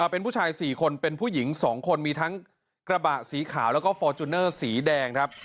เป็นผู้ชาย๔คนเป็นผู้หญิง๒คนมีทั้งกระบะสีขาวแล้วก็ฟอร์จูเนอร์สีแดงครับ